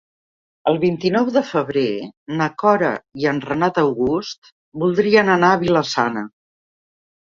El vint-i-nou de febrer na Cora i en Renat August voldrien anar a Vila-sana.